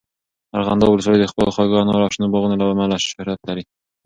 ارغنداب ولسوالۍ د خپلو خوږو انارو او شنو باغونو له امله شهرت لري.